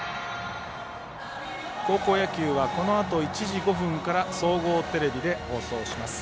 高校野球はこのあと１時５分から総合テレビで放送します。